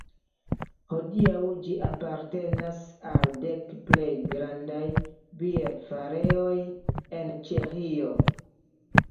Hodiaŭ ĝi apartenas al dek plej grandaj bierfarejoj en Ĉeĥio.